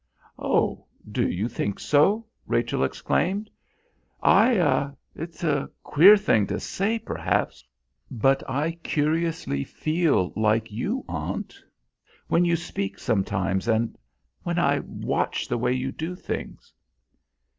"Oh! do you think so?" Rachel exclaimed. "I it's a queer thing to say perhaps but I curiously feel like you, aunt; when you speak sometimes and and when I watch the way you do things."